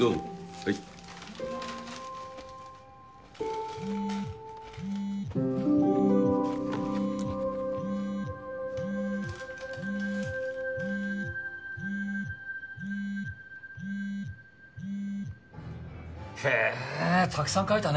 はい。へたくさん描いたね。